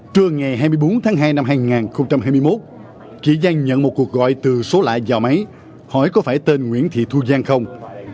trưa ngày hai mươi bốn tháng hai năm hai nghìn hai mươi một chị danh nhận một cuộc gọi từ số lại vào máy hỏi có phải tên nguyễn thị thu giang không